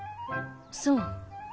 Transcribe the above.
そう。